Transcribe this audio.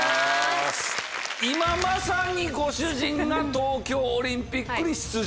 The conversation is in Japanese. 今まさにご主人が東京オリンピックに出場。